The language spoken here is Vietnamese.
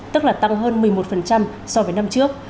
tức là tăng hơn một mươi một so với năm trước